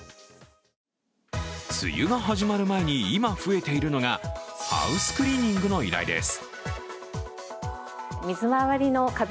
梅雨が始まる前に、今増えているのがハウスクリーニングの依頼です。